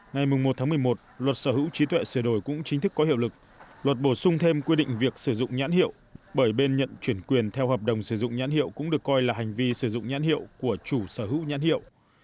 ngày một một mươi một luật sở hữu trí tuệ sửa đổi cũng chính thức có hiệu lực luật bổ sung thêm quy định việc sử dụng nhãn hiệu bởi bên nhận chuyển quyền theo hợp đồng sử dụng nhãn hiệu cũng được coi là hành vi sử dụng nhãn hiệu của chủ sở hữu nhãn hiệu